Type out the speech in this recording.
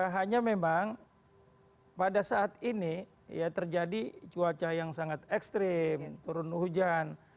hanya memang pada saat ini ya terjadi cuaca yang sangat ekstrim turun hujan